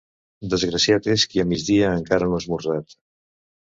Desgraciat és qui a migdia encara no ha esmorzat.